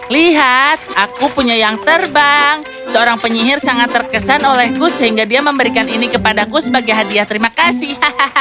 lihat aku punya yang terbang seorang penyihir sangat terkesan olehku sehingga dia memberikan ini kepadaku sebagai hadiah terima kasih